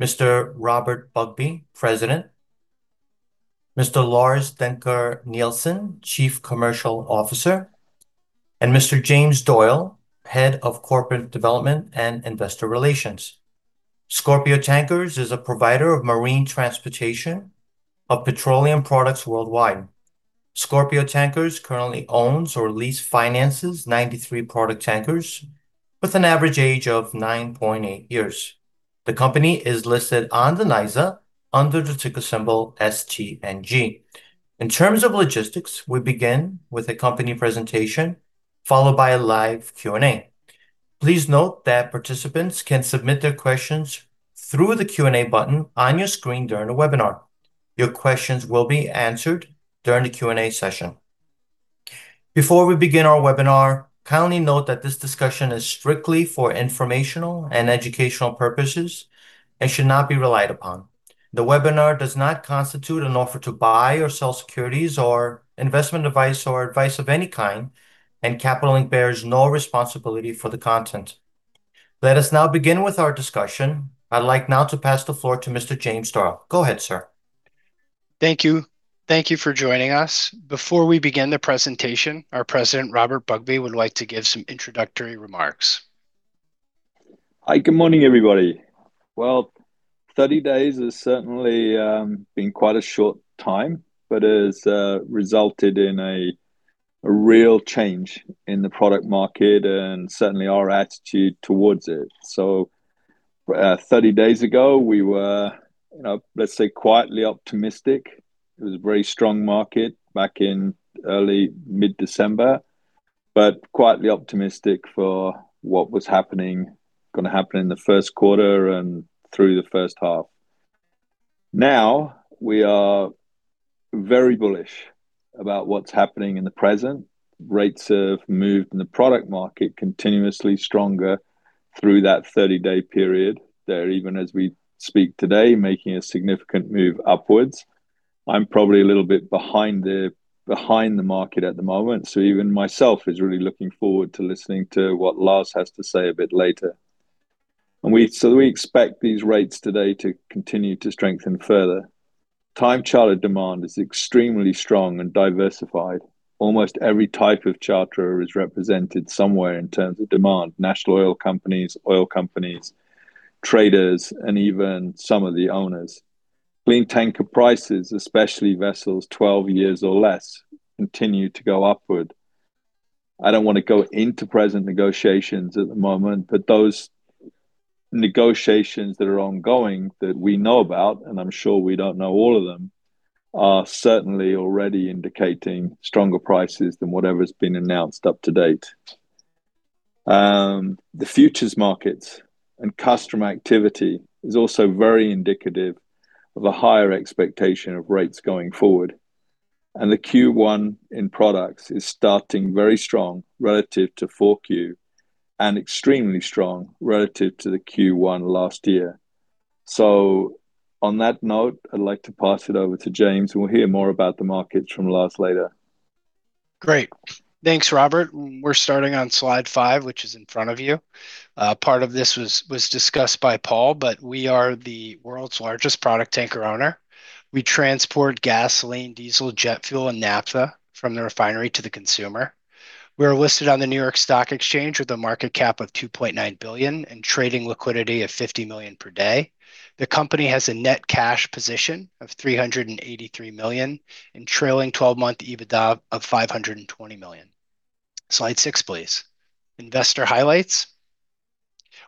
Mr. Robert Bugbee, President; Mr. Lars Dencker Nielsen, Chief Commercial Officer; and Mr. James Doyle, Head of Corporate Development and Investor Relations. Scorpio Tankers is a provider of marine transportation of petroleum products worldwide. Scorpio Tankers currently owns or lease-finances 93 product tankers, with an average age of 9.8 years. The company is listed on the NYSE under the ticker symbol STNG. In terms of logistics, we begin with a company presentation followed by a live Q&A. Please note that participants can submit their questions through the Q&A button on your screen during the webinar. Your questions will be answered during the Q&A session. Before we begin our webinar, kindly note that this discussion is strictly for informational and educational purposes and should not be relied upon. The webinar does not constitute an offer to buy or sell securities or investment advice or advice of any kind, and Capital Link, Inc. bears no responsibility for the content. Let us now begin with our discussion. I'd like now to pass the floor to Mr. James Doyle. Go ahead, sir. Thank you. Thank you for joining us. Before we begin the presentation, our President, Robert Bugbee, would like to give some introductory remarks. Hi, good morning, everybody. Well, 30 days has certainly been quite a short time, but it has resulted in a real change in the product market and certainly our attitude towards it. So, 30 days ago, we were, you know, let's say, quietly optimistic. It was a very strong market back in early, mid-December, but quietly optimistic for what was happening, going to happen in the first quarter and through the first half. Now, we are very bullish about what's happening in the present. Rates have moved in the product market continuously stronger through that 30-day period. They're, even as we speak today, making a significant move upwards. I'm probably a little bit behind the market at the moment, so even myself is really looking forward to listening to what Lars has to say a bit later. And we expect these rates today to continue to strengthen further. Time-chartered demand is extremely strong and diversified. Almost every type of charter is represented somewhere in terms of demand: national oil companies, oil companies, traders, and even some of the owners. Clean tanker prices, especially vessels 12 years or less, continue to go upward. I don't want to go into present negotiations at the moment, but those negotiations that are ongoing that we know about, and I'm sure we don't know all of them, are certainly already indicating stronger prices than whatever has been announced up to date. The futures markets and customer activity is also very indicative of a higher expectation of rates going forward. And the Q1 in products is starting very strong relative to 4Q and extremely strong relative to the Q1 last year. So, on that note, I'd like to pass it over to James, and we'll hear more about the markets from Lars later. Great. Thanks, Robert. We're starting on slide five, which is in front of you. Part of this was discussed by Paul, but we are the world's largest product tanker owner. We transport gasoline, diesel, jet fuel, and naphtha from the refinery to the consumer. We're listed on the New York Stock Exchange with a market cap of $2.9 billion and trading liquidity of $50 million per day. The company has a net cash position of $383 million and trailing 12-month EBITDA of $520 million. Slide six, please. Investor highlights.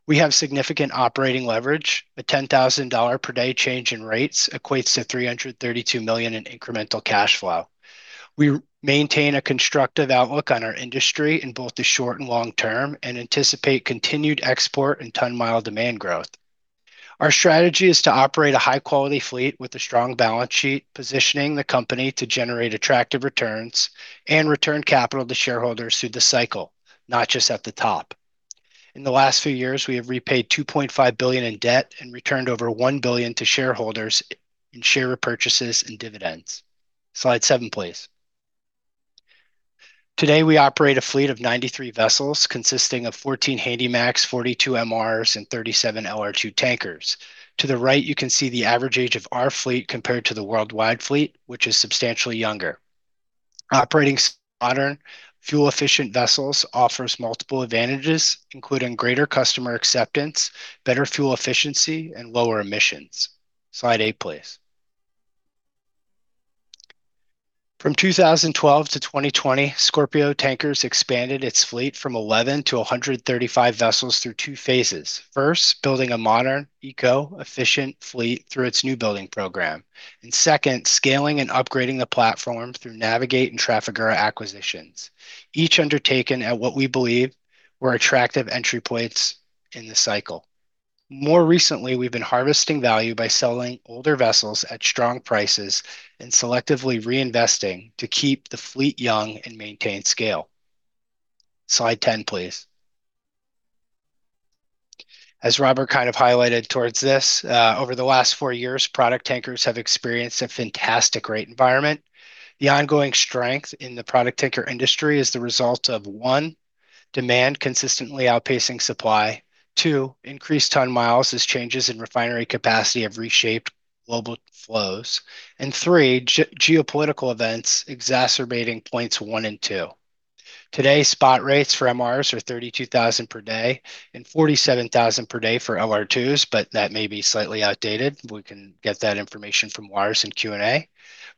We have significant operating leverage. A $10,000 per day change in rates equates to $332 million in incremental cash flow. We maintain a constructive outlook on our industry in both the short and long term and anticipate continued export and ton-mile demand growth. Our strategy is to operate a high-quality fleet with a strong balance sheet, positioning the company to generate attractive returns and return capital to shareholders through the cycle, not just at the top. In the last few years, we have repaid $2.5 billion in debt and returned over $1 billion to shareholders in share repurchases and dividends. Slide seven, please. Today, we operate a fleet of 93 vessels consisting of 14 Handymax, 42 MRs, and 37 LR2 tankers. To the right, you can see the average age of our fleet compared to the worldwide fleet, which is substantially younger. Operating modern fuel-efficient vessels offers multiple advantages, including greater customer acceptance, better fuel efficiency, and lower emissions. Slide eight, please. From 2012 to 2020, Scorpio Tankers expanded its fleet from 11 to 135 vessels through two phases. First, building a modern, eco-efficient fleet through its new building program. Second, scaling and upgrading the platform through Navig8 and Trafigura acquisitions, each undertaken at what we believe were attractive entry points in the cycle. More recently, we've been harvesting value by selling older vessels at strong prices and selectively reinvesting to keep the fleet young and maintain scale. Slide 10, please. As Robert kind of highlighted towards this, over the last four years, product tankers have experienced a fantastic rate environment. The ongoing strength in the product tanker industry is the result of, one, demand consistently outpacing supply, two, increased ton miles as changes in refinery capacity have reshaped global flows, and three, geopolitical events exacerbating points one and two. Today, spot rates for MRs are $32,000 per day and $47,000 per day for LR2s, but that may be slightly outdated. We can get that information from Lars in Q&A.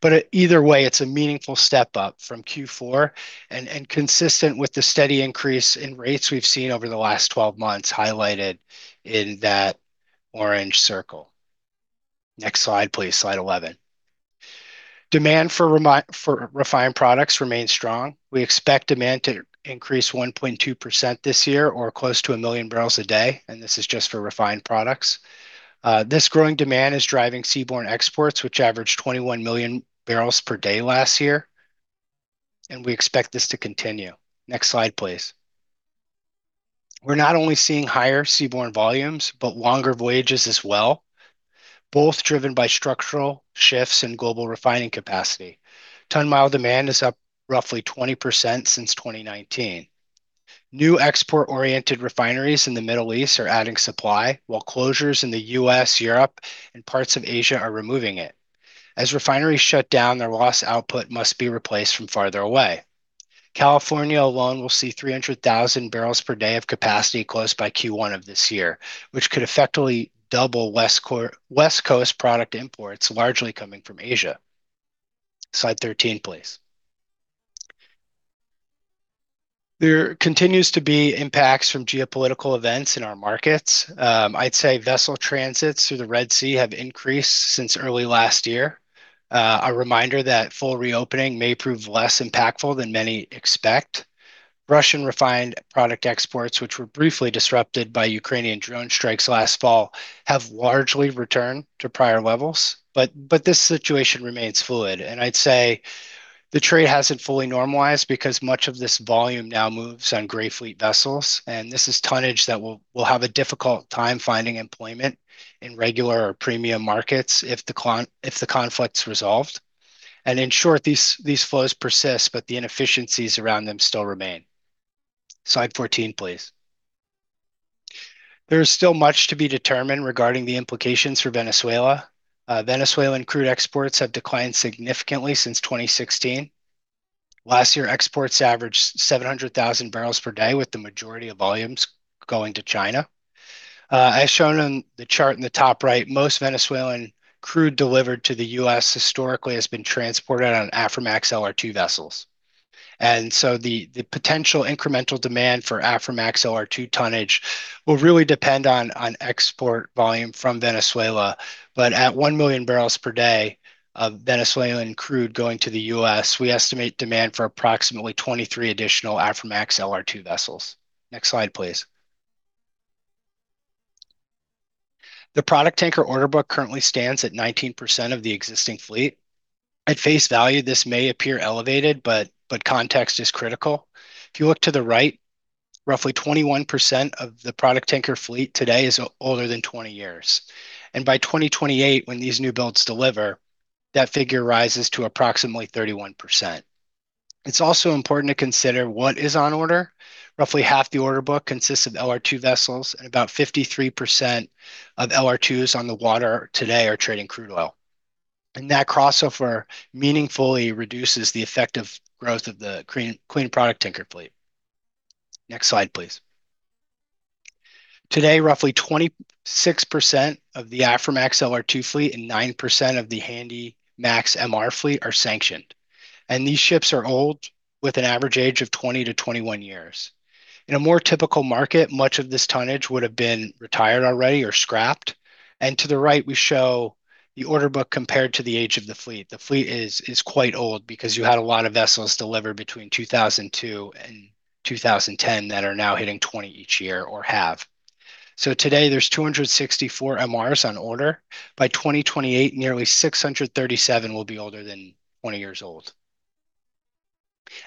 But either way, it's a meaningful step up from Q4 and consistent with the steady increase in rates we've seen over the last 12 months highlighted in that orange circle. Next slide, please. Slide 11. Demand for refined products remains strong. We expect demand to increase 1.2% this year or close to a million barrels a day, and this is just for refined products. This growing demand is driving seaborne exports, which averaged 21 million barrels per day last year, and we expect this to continue. Next slide, please. We're not only seeing higher seaborne volumes, but longer voyages as well, both driven by structural shifts in global refining capacity. Ton-mile demand is up roughly 20% since 2019. New export-oriented refineries in the Middle East are adding supply, while closures in the U.S., Europe, and parts of Asia are removing it. As refineries shut down, their lost output must be replaced from farther away. California alone will see 300,000 barrels per day of capacity closed by Q1 of this year, which could effectively double West Coast product imports, largely coming from Asia. Slide 13, please. There continues to be impacts from geopolitical events in our markets. I'd say vessel transits through the Red Sea have increased since early last year. A reminder that full reopening may prove less impactful than many expect. Russian refined product exports, which were briefly disrupted by Ukrainian drone strikes last fall, have largely returned to prior levels, but this situation remains fluid, and I'd say the trade hasn't fully normalized because much of this volume now moves on Gray Fleet vessels, and this is tonnage that will have a difficult time finding employment in regular or premium markets if the conflict's resolved. And in short, these flows persist, but the inefficiencies around them still remain. Slide 14, please. There is still much to be determined regarding the implications for Venezuela. Venezuelan crude exports have declined significantly since 2016. Last year, exports averaged 700,000 barrels per day, with the majority of volumes going to China. As shown in the chart in the top right, most Venezuelan crude delivered to the U.S. historically has been transported on Aframax LR2 vessels. And so the potential incremental demand for Aframax LR2 tonnage will really depend on export volume from Venezuela. But at one million barrels per day of Venezuelan crude going to the U.S., we estimate demand for approximately 23 additional Aframax LR2 vessels. Next slide, please. The product tanker order book currently stands at 19% of the existing fleet. At face value, this may appear elevated, but context is critical. If you look to the right, roughly 21% of the product tanker fleet today is older than 20 years. And by 2028, when these new builds deliver, that figure rises to approximately 31%. It's also important to consider what is on order. Roughly half the order book consists of LR2 vessels, and about 53% of LR2s on the water today are trading crude oil. And that crossover meaningfully reduces the effective growth of the clean product tanker fleet. Next slide, please. Today, roughly 26% of the Aframax LR2 fleet and 9% of the Handymax MR fleet are sanctioned. And these ships are old, with an average age of 20-21 years. In a more typical market, much of this tonnage would have been retired already or scrapped. And to the right, we show the order book compared to the age of the fleet. The fleet is quite old because you had a lot of vessels delivered between 2002 and 2010 that are now hitting 20 each year or have. So today, there's 264 MRs on order. By 2028, nearly 637 will be older than 20 years old.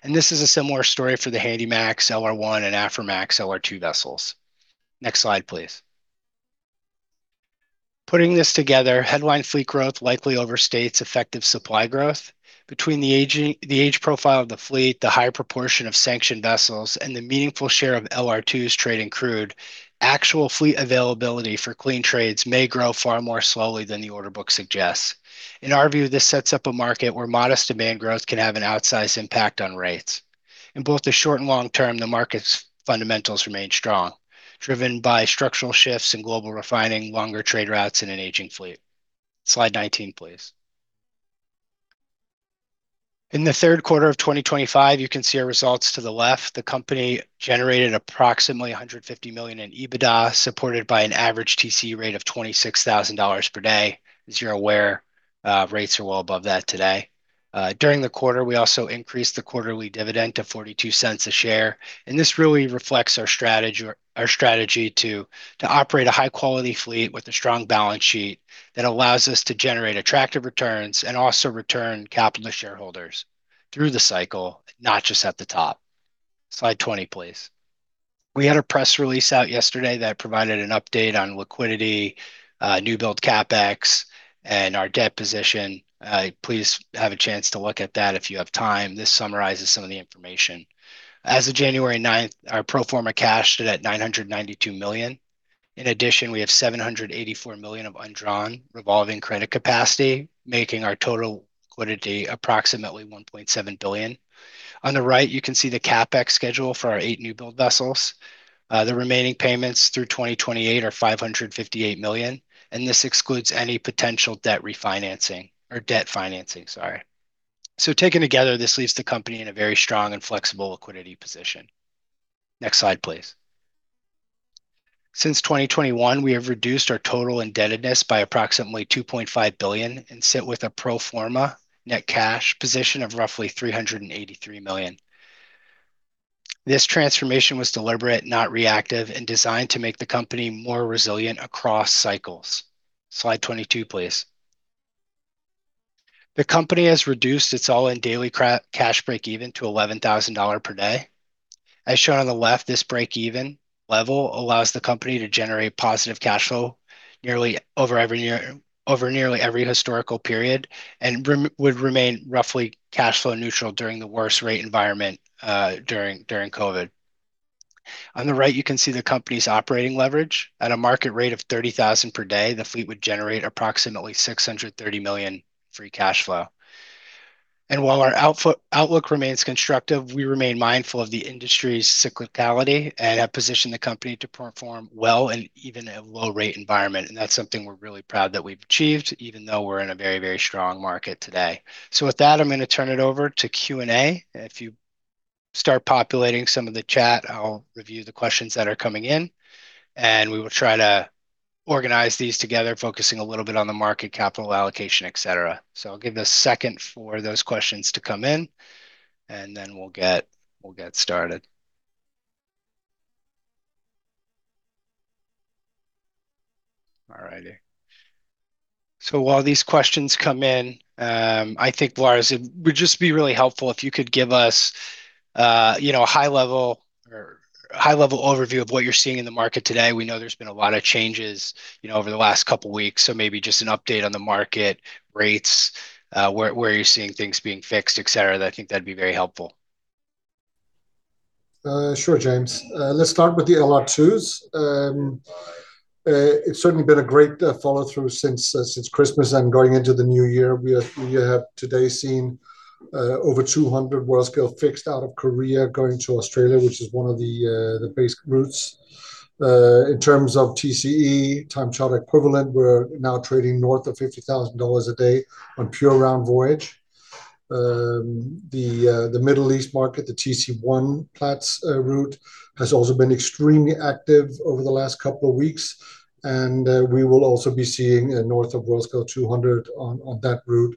And this is a similar story for the Handymax LR1 and Aframax LR2 vessels. Next slide, please. Putting this together, headline fleet growth likely overstates effective supply growth. Between the age profile of the fleet, the high proportion of sanctioned vessels, and the meaningful share of LR2s trading crude, actual fleet availability for clean trades may grow far more slowly than the order book suggests. In our view, this sets up a market where modest demand growth can have an outsized impact on rates. In both the short and long term, the market's fundamentals remain strong, driven by structural shifts in global refining, longer trade routes, and an aging fleet. Slide 19, please. In the third quarter of 2025, you can see our results to the left. The company generated approximately $150 million in EBITDA, supported by an average TCE rate of $26,000 per day. As you're aware, rates are well above that today. During the quarter, we also increased the quarterly dividend to $0.42 a share, and this really reflects our strategy to operate a high-quality fleet with a strong balance sheet that allows us to generate attractive returns and also return capital to shareholders through the cycle, not just at the top. Slide 20, please. We had a press release out yesterday that provided an update on liquidity, new build CapEx, and our debt position. Please have a chance to look at that if you have time. This summarizes some of the information. As of January 9th, our pro forma cash stood at $992 million. In addition, we have $784 million of undrawn revolving credit capacity, making our total liquidity approximately $1.7 billion. On the right, you can see the CapEx schedule for our eight new build vessels. The remaining payments through 2028 are $558 million, and this excludes any potential debt refinancing or debt financing, sorry. So taken together, this leaves the company in a very strong and flexible liquidity position. Next slide, please. Since 2021, we have reduced our total indebtedness by approximately $2.5 billion and sit with a pro forma net cash position of roughly $383 million. This transformation was deliberate, not reactive, and designed to make the company more resilient across cycles. Slide 22, please. The company has reduced its all-in daily cash break-even to $11,000 per day. As shown on the left, this break-even level allows the company to generate positive cash flow nearly over every historical period and would remain roughly cash flow neutral during the worst rate environment during COVID. On the right, you can see the company's operating leverage. At a market rate of $30,000 per day, the fleet would generate approximately $630 million free cash flow. And while our outlook remains constructive, we remain mindful of the industry's cyclicality and have positioned the company to perform well in even a low-rate environment. And that's something we're really proud that we've achieved, even though we're in a very, very strong market today. So with that, I'm going to turn it over to Q&A. If you start populating some of the chat, I'll review the questions that are coming in. We will try to organize these together, focusing a little bit on the market, capital allocation, etc. I'll give a second for those questions to come in, and then we'll get started. All righty. While these questions come in, I think, Lars, it would just be really helpful if you could give us a high-level overview of what you're seeing in the market today. We know there's been a lot of changes over the last couple of weeks, so maybe just an update on the market rates, where you're seeing things being fixed, etc. I think that'd be very helpful. Sure, James. Let's start with the LR2s. It's certainly been a great follow-through since Christmas and going into the new year. We have today seen over 200 Worldscale fixed out of Korea going to Australia, which is one of the base routes. In terms of TCE, time charter equivalent, we're now trading north of $50,000 a day on pure round voyage. The Middle East market, the TC1 Platts route, has also been extremely active over the last couple of weeks. And we will also be seeing north of Worldscale 200 on that route,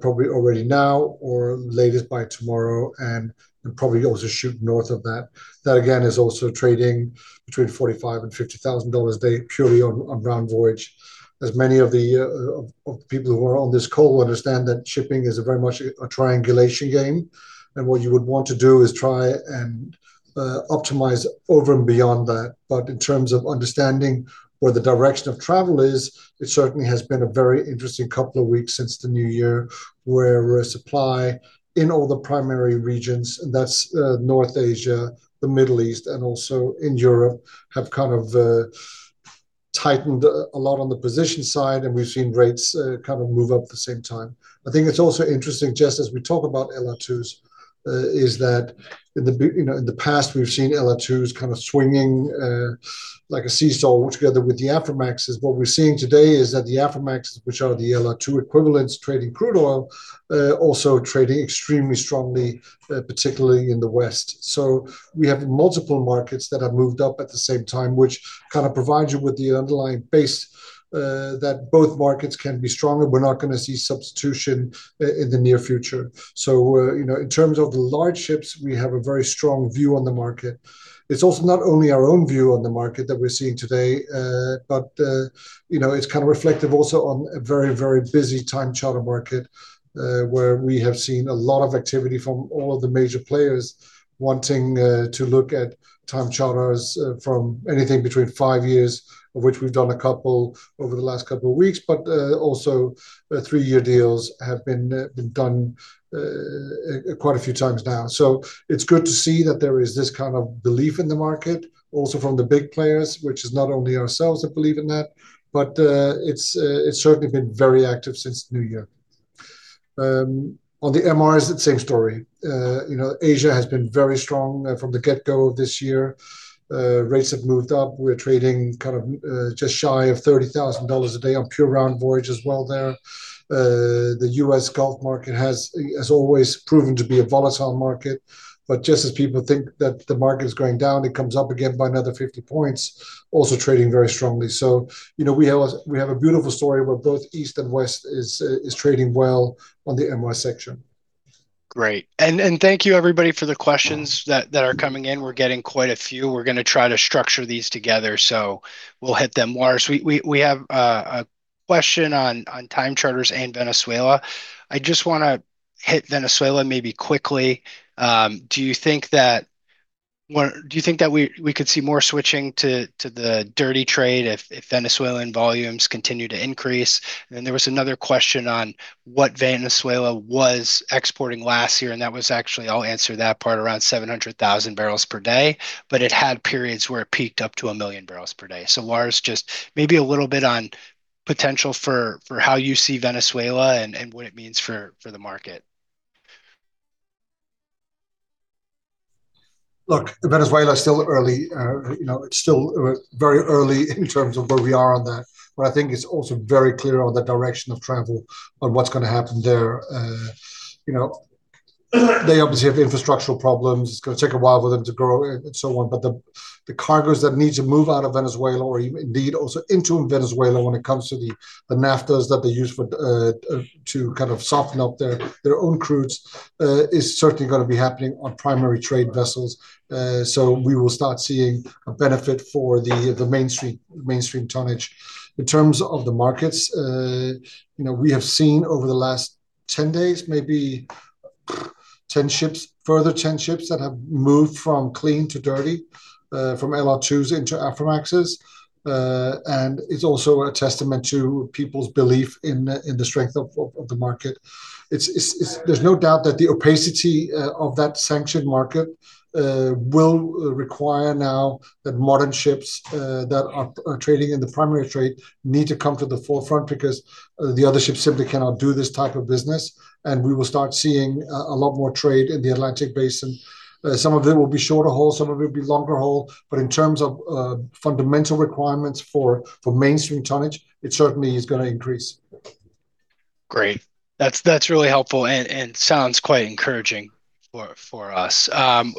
probably already now or latest by tomorrow, and probably also shoot north of that. That, again, is also trading between $45,000 and $50,000 a day purely on round voyage. As many of the people who are on this call will understand that shipping is very much a triangulation game. And what you would want to do is try and optimize over and beyond that. But in terms of understanding where the direction of travel is, it certainly has been a very interesting couple of weeks since the new year where supply in all the primary regions, and that's North Asia, the Middle East, and also in Europe, have kind of tightened a lot on the position side, and we've seen rates kind of move up at the same time. I think it's also interesting, just as we talk about LR2s, is that in the past, we've seen LR2s kind of swinging like a seesaw together with the Aframaxes. What we're seeing today is that the Aframaxes, which are the LR2 equivalents trading crude oil, are also trading extremely strongly, particularly in the West. So we have multiple markets that have moved up at the same time, which kind of provides you with the underlying base that both markets can be stronger. We're not going to see substitution in the near future. So in terms of the large ships, we have a very strong view on the market. It's also not only our own view on the market that we're seeing today, but it's kind of reflective also on a very, very busy time charter market where we have seen a lot of activity from all of the major players wanting to look at time charters from anything between five years, of which we've done a couple over the last couple of weeks, but also three-year deals have been done quite a few times now. So it's good to see that there is this kind of belief in the market, also from the big players, which is not only ourselves that believe in that, but it's certainly been very active since the new year. On the MRs, it's the same story. Asia has been very strong from the get-go of this year. Rates have moved up. We're trading kind of just shy of $30,000 a day on pure round voyage as well there. The U.S. Gulf market has, as always, proven to be a volatile market. But just as people think that the market is going down, it comes up again by another 50 points, also trading very strongly, so we have a beautiful story where both East and West is trading well on the MR section. Great, and thank you, everybody, for the questions that are coming in. We're getting quite a few. We're going to try to structure these together, so we'll hit them. Lars, we have a question on time charters and Venezuela. I just want to hit Venezuela maybe quickly. Do you think that we could see more switching to the dirty trade if Venezuelan volumes continue to increase? And then there was another question on what Venezuela was exporting last year, and that was actually. I'll answer that part around 700,000 barrels per day, but it had periods where it peaked up to a million barrels per day. So Lars, just maybe a little bit on potential for how you see Venezuela and what it means for the market. Look, Venezuela is still early. It's still very early in terms of where we are on that, but I think it's also very clear on the direction of travel on what's going to happen there. They obviously have infrastructural problems. It's going to take a while for them to grow and so on. But the cargoes that need to move out of Venezuela or indeed also into Venezuela when it comes to the naphthas that they use to kind of soften up their own crudes is certainly going to be happening on primary trade vessels. So we will start seeing a benefit for the mainstream tonnage. In terms of the markets, we have seen over the last 10 days, maybe 10 ships, further 10 ships that have moved from clean to dirty, from LR2s into Aframaxes, and it's also a testament to people's belief in the strength of the market. There's no doubt that the opacity of that sanctioned market will require now that modern ships that are trading in the primary trade need to come to the forefront because the other ships simply cannot do this type of business, and we will start seeing a lot more trade in the Atlantic Basin. Some of them will be shorter haul. Some of them will be longer haul. But in terms of fundamental requirements for mainstream tonnage, it certainly is going to increase. Great. That's really helpful and sounds quite encouraging for us.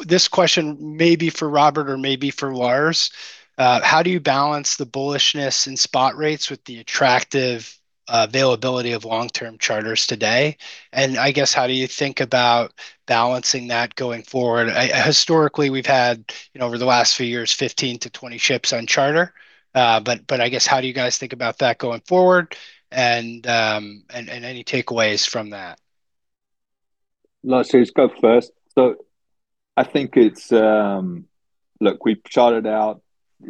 This question may be for Robert or may be for Lars. How do you balance the bullishness in spot rates with the attractive availability of long-term charters today? And I guess, how do you think about balancing that going forward? Historically, we've had, over the last few years, 15 to 20 ships on charter. But I guess, how do you guys think about that going forward and any takeaways from that? Lars, can you go first? So, I think it's this. Look, we've charted out,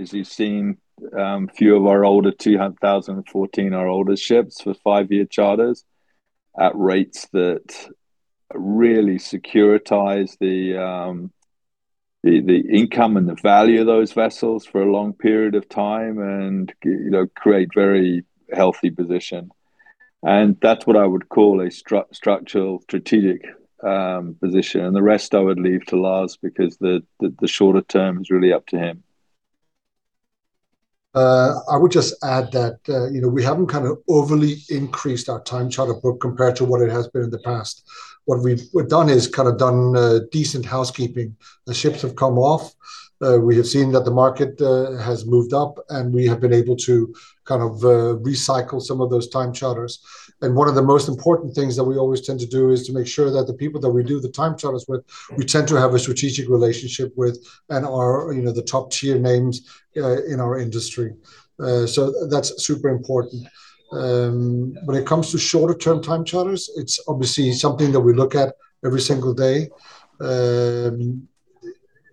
as you've seen, a few of our older 2004 ships for five-year charters at rates that really securitize the income and the value of those vessels for a long period of time and create a very healthy position. That's what I would call a structural strategic position. The rest, I would leave to Lars because the shorter term is really up to him. I would just add that we haven't kind of overly increased our time charter book compared to what it has been in the past. What we've done is kind of done decent housekeeping. The ships have come off. We have seen that the market has moved up, and we have been able to kind of recycle some of those time charters. And one of the most important things that we always tend to do is to make sure that the people that we do the time charters with, we tend to have a strategic relationship with and are the top-tier names in our industry. So that's super important. When it comes to shorter-term time charters, it's obviously something that we look at every single day.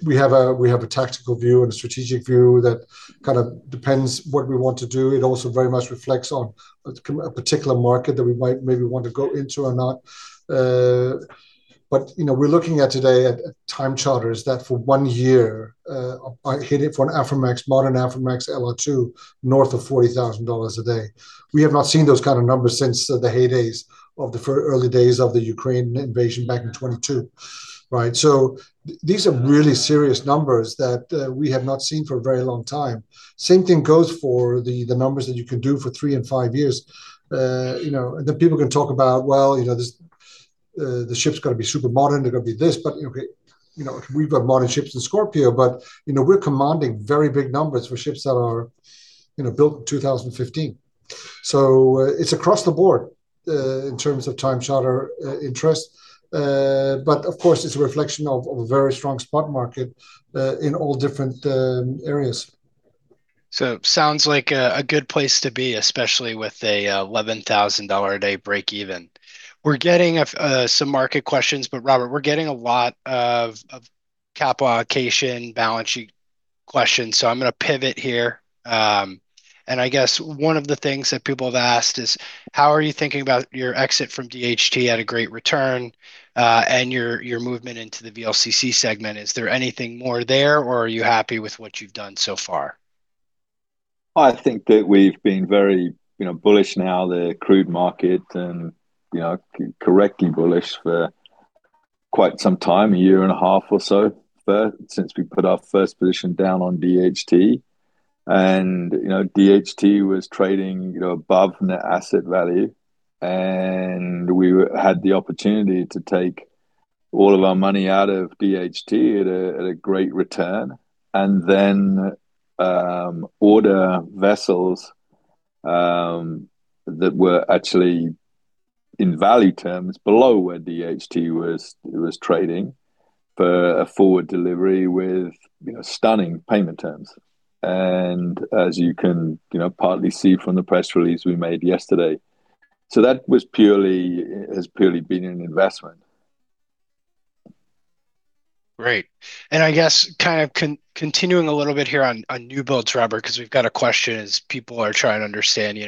We have a tactical view and a strategic view that kind of depends on what we want to do. It also very much reflects on a particular market that we might maybe want to go into or not. But we're looking at today at time charters that for one year are hitting for an Aframax, modern Aframax LR2, north of $40,000 a day. We have not seen those kind of numbers since the heydays of the early days of the Ukraine invasion back in 2022, right? These are really serious numbers that we have not seen for a very long time. Same thing goes for the numbers that you can do for three and five years. And then people can talk about, well, the ship's got to be super modern. They're going to be this. But okay, we've got modern ships in Scorpio, but we're commanding very big numbers for ships that are built in 2015. So it's across the board in terms of time charter interest. But of course, it's a reflection of a very strong spot market in all different areas. So it sounds like a good place to be, especially with a $11,000 a day break-even. We're getting some market questions, but Robert, we're getting a lot of capitalization balance sheet questions. So I'm going to pivot here. I guess one of the things that people have asked is, how are you thinking about your exit from DHT at a great return and your movement into the VLCC segment? Is there anything more there, or are you happy with what you've done so far? I think that we've been very bullish on the crude market, and correctly bullish for quite some time, a year and a half or so, since we put our first position down on DHT. And DHT was trading above net asset value. And we had the opportunity to take all of our money out of DHT at a great return and then order vessels that were actually in value terms below where DHT was trading for a forward delivery with stunning payment terms. And as you can partly see from the press release we made yesterday, so that has purely been an investment. Great. And I guess kind of continuing a little bit here on new builds, Robert, because we've got a question as people are trying to understand,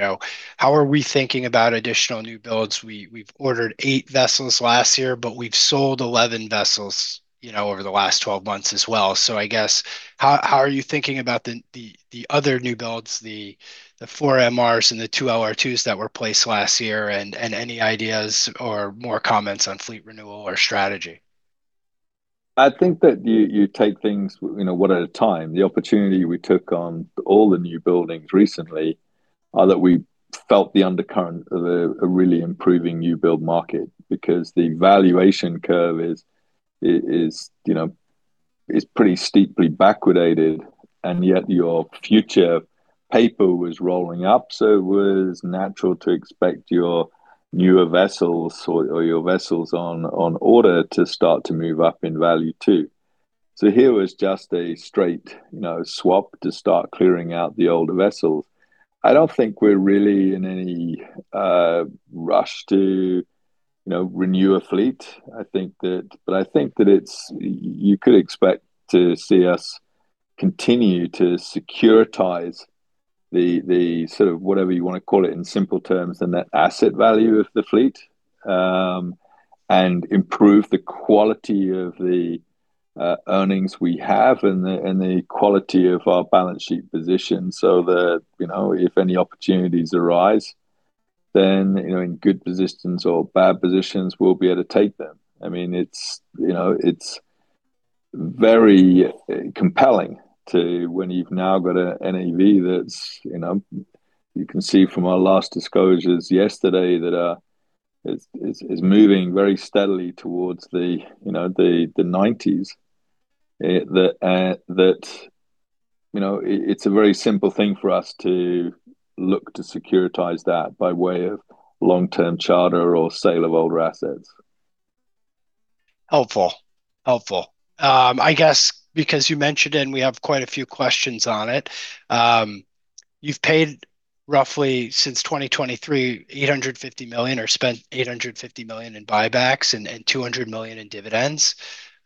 how are we thinking about additional new builds? We've ordered eight vessels last year, but we've sold 11 vessels over the last 12 months as well. So I guess, how are you thinking about the other new builds, the four MRs and the two LR2s that were placed last year, and any ideas or more comments on fleet renewal or strategy? I think that you take things one at a time. The opportunity we took on all the new buildings recently, that we felt the undercurrent of a really improving new build market because the valuation curve is pretty steeply backwardated. And yet your future paper was rolling up, so it was natural to expect your newer vessels or your vessels on order to start to move up in value too. So here was just a straight swap to start clearing out the older vessels. I don't think we're really in any rush to renew a fleet. But I think that you could expect to see us continue to securitize the sort of whatever you want to call it in simple terms and that asset value of the fleet and improve the quality of the earnings we have and the quality of our balance sheet position so that if any opportunities arise, then in good positions or bad positions, we'll be able to take them. I mean, it's very compelling when you've now got an NAV that you can see from our last disclosures yesterday that is moving very steadily towards the 90s. It's a very simple thing for us to look to securitize that by way of long-term charter or sale of older assets. Helpful. Helpful. I guess because you mentioned it, and we have quite a few questions on it. You've paid roughly since 2023, $850 million or spent $850 million in buybacks and $200 million in dividends.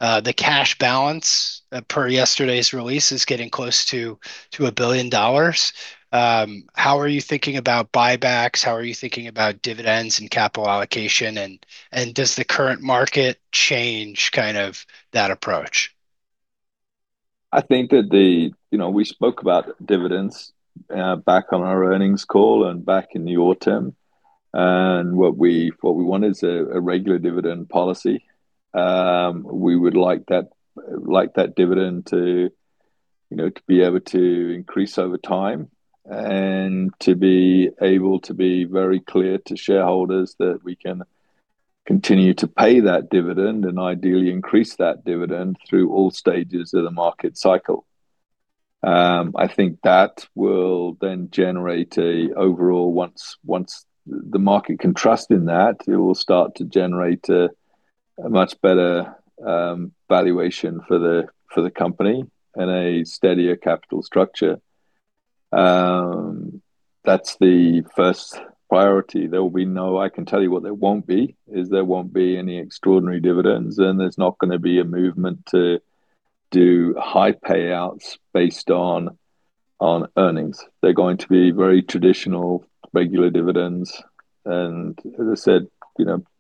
The cash balance per yesterday's release is getting close to $1 billion. How are you thinking about buybacks? How are you thinking about dividends and capital allocation? And does the current market change kind of that approach? I think that we spoke about dividends back on our earnings call and back in the autumn, and what we want is a regular dividend policy. We would like that dividend to be able to increase over time and to be able to be very clear to shareholders that we can continue to pay that dividend and ideally increase that dividend through all stages of the market cycle. I think that will then generate an overall, once the market can trust in that, it will start to generate a much better valuation for the company and a steadier capital structure. That's the first priority. There will be no. I can tell you what there won't be is there won't be any extraordinary dividends, and there's not going to be a movement to do high payouts based on earnings. They're going to be very traditional, regular dividends. As I said,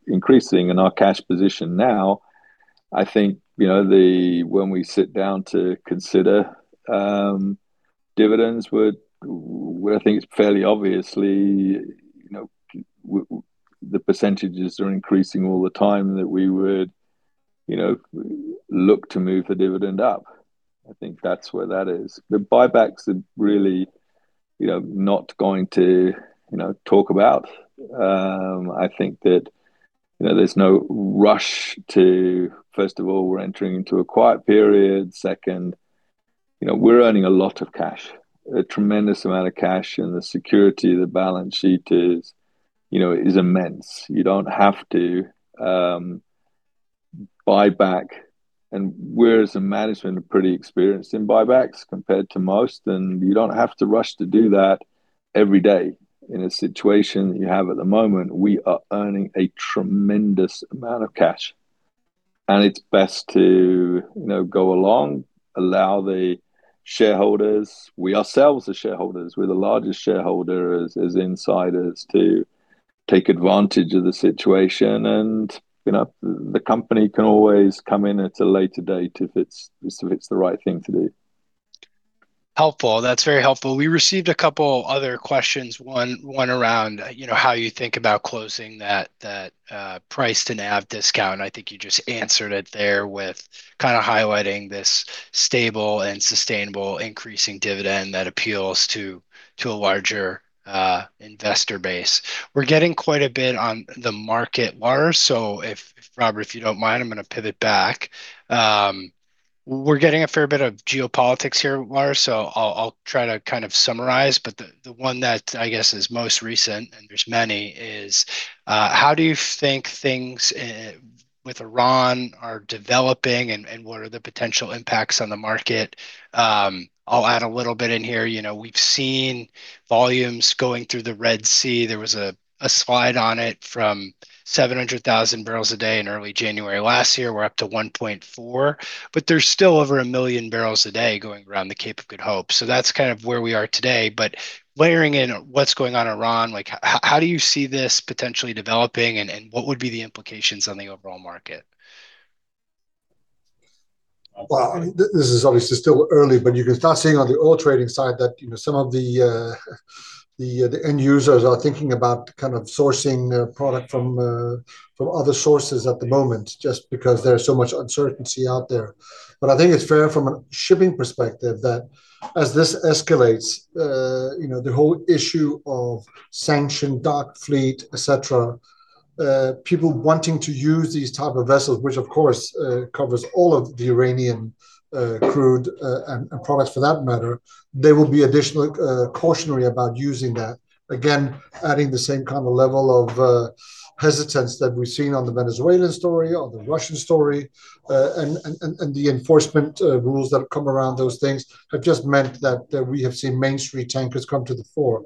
increasing in our cash position now, I think when we sit down to consider dividends, I think it's fairly obviously the percentages are increasing all the time that we would look to move the dividend up. I think that's where that is. The buybacks are really not going to talk about. I think that there's no rush to, first of all, we're entering into a quiet period. Second, we're earning a lot of cash, a tremendous amount of cash, and the security of the balance sheet is immense. You don't have to buy back. And we're, as a management, pretty experienced in buybacks compared to most, and you don't have to rush to do that every day. In a situation you have at the moment, we are earning a tremendous amount of cash. And it's best to go along, allow the shareholders, we ourselves are shareholders. We're the largest shareholders as insiders to take advantage of the situation, and the company can always come in at a later date if it's the right thing to do. Helpful. That's very helpful. We received a couple of other questions, one around how you think about closing that price to NAV discount. I think you just answered it there with kind of highlighting this stable and sustainable increasing dividend that appeals to a larger investor base. We're getting quite a bit on the market, Lars, so Robert, if you don't mind, I'm going to pivot back. We're getting a fair bit of geopolitics here, Lars, so I'll try to kind of summarize, but the one that I guess is most recent, and there's many, is how do you think things with Iran are developing and what are the potential impacts on the market? I'll add a little bit in here. We've seen volumes going through the Red Sea. There was a slide on it from 700,000 barrels a day in early January last year. We're up to 1.4 million, but there's still over a million barrels a day going around the Cape of Good Hope. So that's kind of where we are today. But layering in what's going on in Iran, how do you see this potentially developing, and what would be the implications on the overall market? Well, this is obviously still early, but you can start seeing on the oil trading side that some of the end users are thinking about kind of sourcing product from other sources at the moment just because there's so much uncertainty out there. But I think it's fair from a shipping perspective that as this escalates, the whole issue of sanctioned dark fleet, etc., people wanting to use these types of vessels, which of course covers all of the Iranian crude and products for that matter, they will be additionally cautious about using that. Again, adding the same kind of level of hesitance that we've seen on the Venezuelan story or the Russian story and the enforcement rules that have come around those things have just meant that we have seen mainstream tankers come to the fore.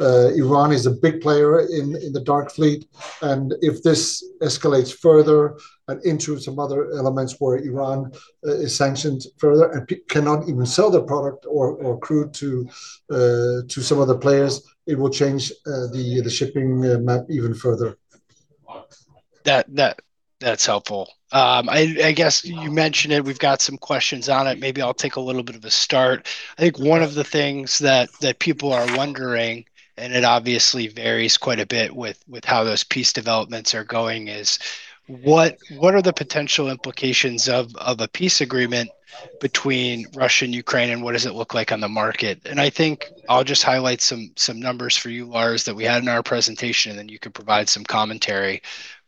Iran is a big player in the dark fleet. And if this escalates further and into some other elements where Iran is sanctioned further and cannot even sell their product or crude to some of the players, it will change the shipping map even further. That's helpful. I guess you mentioned it. We've got some questions on it. Maybe I'll take a little bit of a start. I think one of the things that people are wondering, and it obviously varies quite a bit with how those peace developments are going, is what are the potential implications of a peace agreement between Russia and Ukraine, and what does it look like on the market? And I think I'll just highlight some numbers for you, Lars, that we had in our presentation, and then you can provide some commentary.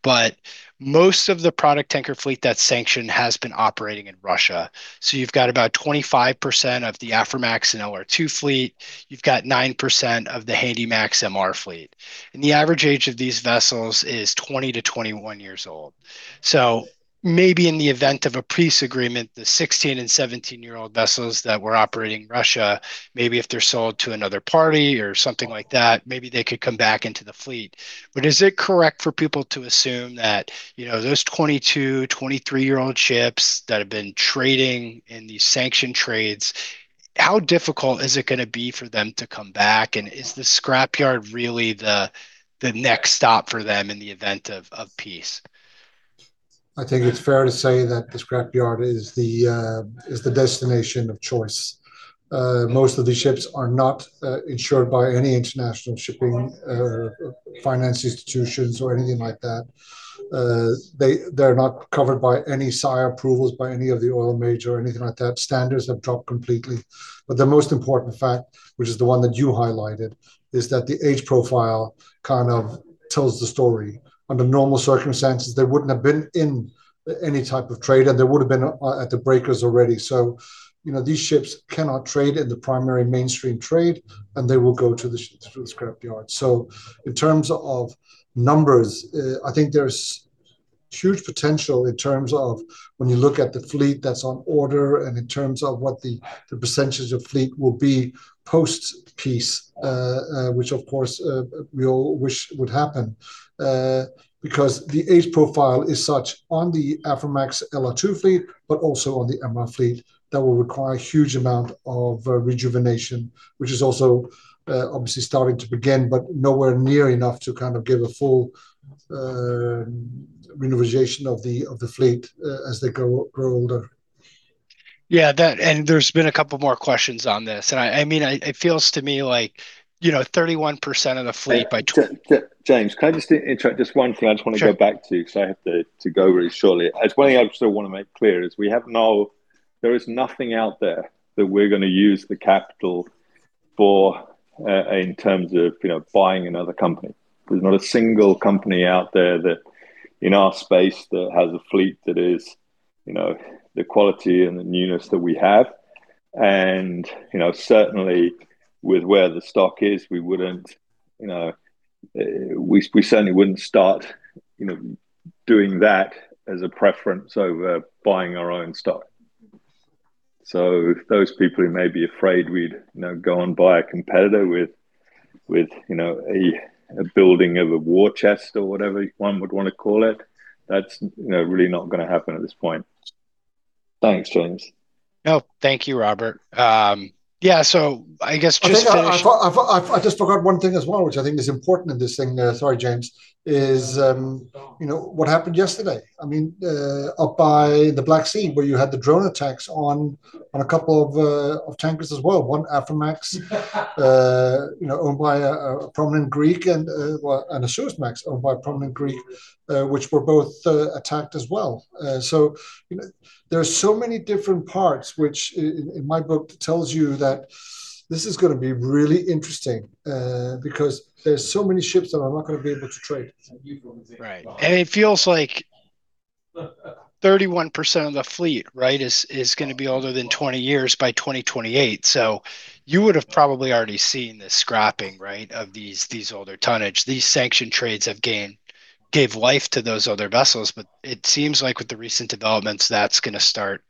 But most of the product tanker fleet that's sanctioned has been operating in Russia. So you've got about 25% of the Aframax and LR2 fleet. You've got 9% of the Handymax MR fleet. And the average age of these vessels is 20-21 years old. So maybe in the event of a peace agreement, the 16- and 17-year-old vessels that were operating in Russia, maybe if they're sold to another party or something like that, maybe they could come back into the fleet. But is it correct for people to assume that those 22- and 23-year-old ships that have been trading in these sanctioned trades, how difficult is it going to be for them to come back? And is the scrapyard really the next stop for them in the event of peace? I think it's fair to say that the scrapyard is the destination of choice. Most of these ships are not insured by any international shipping finance institutions or anything like that. They're not covered by any SIRE approvals by any of the oil majors or anything like that. Standards have dropped completely. But the most important fact, which is the one that you highlighted, is that the age profile kind of tells the story. Under normal circumstances, they wouldn't have been in any type of trade, and they would have been at the breakers already. So these ships cannot trade in the primary mainstream trade, and they will go to the scrapyard. So in terms of numbers, I think there's huge potential in terms of when you look at the fleet that's on order and in terms of what the percentage of fleet will be post-peace, which of course we all wish would happen because the age profile is such on the Aframax LR2 fleet, but also on the MR fleet that will require a huge amount of rejuvenation, which is also obviously starting to begin, but nowhere near enough to kind of give a full renovation of the fleet as they grow older. Yeah. And there's been a couple more questions on this. And I mean, it feels to me like 31% of the fleet by. James, can I just interject just one thing I just want to go back to because I have to go really shortly? It's one thing I just want to make clear: there is nothing out there that we're going to use the capital for in terms of buying another company. There's not a single company out there in our space that has a fleet that is the quality and the newness that we have. And certainly, with where the stock is, we wouldn't, we certainly wouldn't start doing that as a preference over buying our own stock. So those people who may be afraid we'd go and buy a competitor with a building of a war chest or whatever one would want to call it, that's really not going to happen at this point. Thanks, James. No, thank you, Robert. Yeah. So I guess just finish. I just forgot one thing as well, which I think is important in this thing. Sorry, James, is what happened yesterday. I mean, up by the Black Sea where you had the drone attacks on a couple of tankers as well, one Aframax owned by a prominent Greek and a Suezmax owned by a prominent Greek, which were both attacked as well. So there are so many different parts, which in my book tells you that this is going to be really interesting because there's so many ships that are not going to be able to trade. Right. And it feels like 31% of the fleet, right, is going to be older than 20 years by 2028. So you would have probably already seen the scrapping, right, of these older tonnage. These sanctioned trades have given life to those other vessels. But it seems like with the recent developments, that's going to start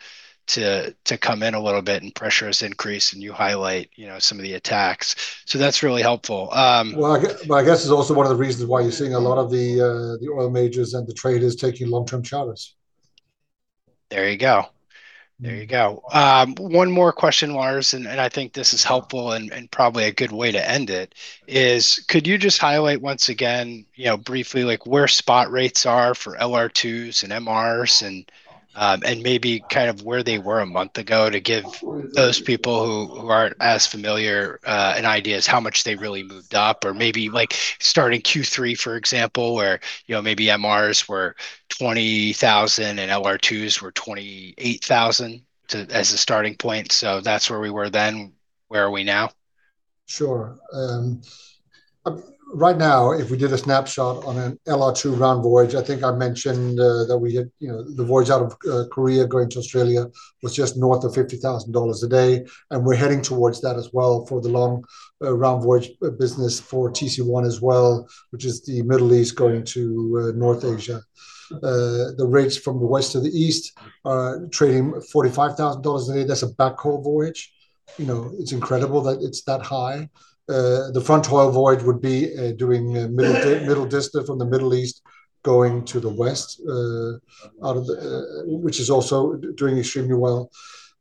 to come in a little bit and pressures increase, and you highlight some of the attacks. That's really helpful. Well, I guess it's also one of the reasons why you're seeing a lot of the oil majors and the traders taking long-term charters. One more question, Lars, and I think this is helpful and probably a good way to end it, is could you just highlight once again, briefly, where spot rates are for LR2s and MRs and maybe kind of where they were a month ago to give those people who aren't as familiar an idea as how much they really moved up or maybe starting Q3, for example, where maybe MRs were 20,000 and LR2s were 28,000 as a starting point. That's where we were then. Where are we now? Sure. Right now, if we did a snapshot on an LR2 round voyage, I think I mentioned that we had the voyage out of Korea going to Australia was just north of $50,000 a day. And we're heading towards that as well for the long round voyage business for TC1 as well, which is the Middle East going to North Asia. The rates from the west to the east are trading $45,000 a day. That's a backhaul voyage. It's incredible that it's that high. The front-haul voyage would be doing middle distance from the Middle East going to the west, which is also doing extremely well.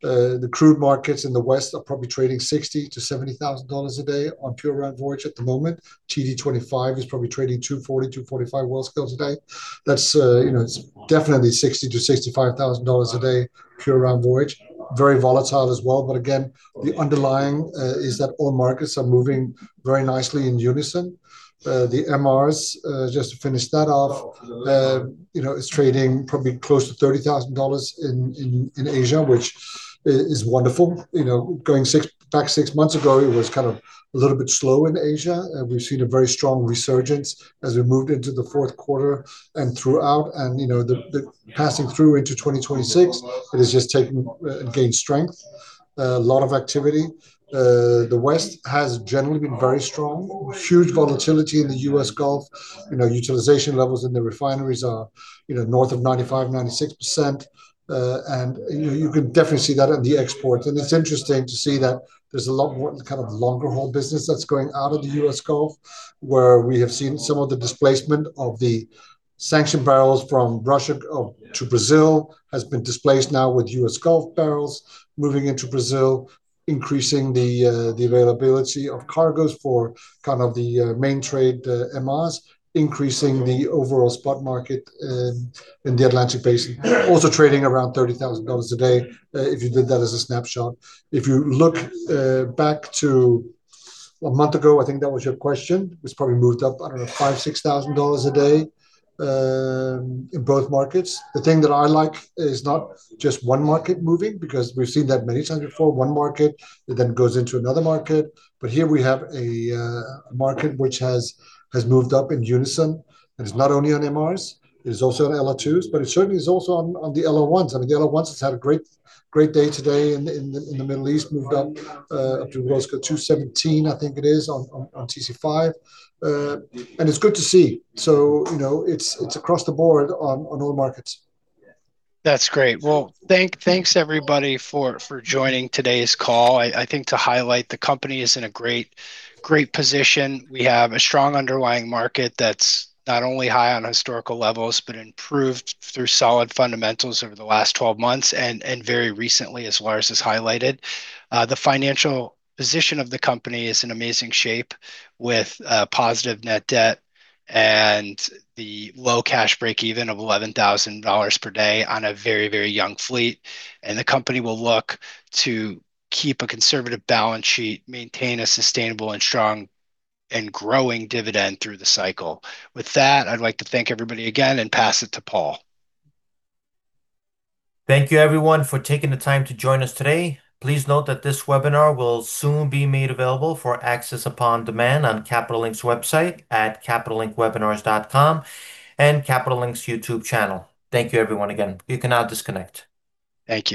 The crude markets in the west are probably trading $60,000-$70,000 a day on pure round voyage at the moment. TD25 is probably trading $240,000-$245,000 Worldscale a day. That's definitely $60,000-$65,000 a day pure round voyage. Very volatile as well. But again, the underlying is that all markets are moving very nicely in unison. The MRs, just to finish that off, is trading probably close to $30,000 in Asia, which is wonderful. Going back six months ago, it was kind of a little bit slow in Asia. We've seen a very strong resurgence as we moved into the fourth quarter and throughout. And passing through into 2026, it has just taken and gained strength. A lot of activity. The west has generally been very strong. Huge volatility in the U.S. Gulf. Utilization levels in the refineries are north of 95%, 96%. And you can definitely see that in the exports. And it's interesting to see that there's a lot more kind of longer-haul business that's going out of the U.S. Gulf, where we have seen some of the displacement of the sanctioned barrels from Russia to Brazil has been displaced now with U.S. Gulf barrels moving into Brazil, increasing the availability of cargoes for kind of the main trade MRs, increasing the overall spot market in the Atlantic Basin. Also trading around $30,000 a day if you did that as a snapshot. If you look back to a month ago, I think that was your question, which probably moved up, I don't know, $5,000, $6,000 a day in both markets. The thing that I like is not just one market moving because we've seen that many times before. One market that then goes into another market. But here we have a market which has moved up in unison. It is not only on MRs. It is also on LR2s, but it certainly is also on the LR1s. I mean, the LR1s has had a great day today in the Middle East, moved up to roughly 217, I think it is, on TC5, and it's good to see, so it's across the board on all markets. That's great. Well, thanks, everybody, for joining today's call. I think to highlight the company is in a great position. We have a strong underlying market that's not only high on historical levels, but improved through solid fundamentals over the last 12 months and very recently, as Lars has highlighted. The financial position of the company is in amazing shape with positive net debt and the low cash break-even of $11,000 per day on a very, very young fleet. And the company will look to keep a conservative balance sheet, maintain a sustainable and strong and growing dividend through the cycle. With that, I'd like to thank everybody again and pass it to Paul. Thank you, everyone, for taking the time to join us today. Please note that this webinar will soon be made available for access on demand on Capital Link's website at capitallinkwebinars.com and Capital Link's YouTube channel. Thank you, everyone, again. You can now disconnect. Thank you.